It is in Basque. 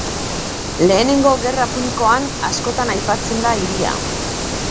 Lehenengo Gerra Punikoan askotan aipatzen da hiria.